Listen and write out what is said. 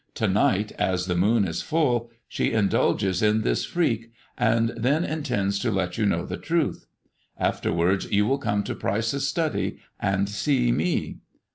To night, as the moon is full, she indulges in this freak, and then intends to let you know the truth. Afterwards, you will come to Pryce's study and see me."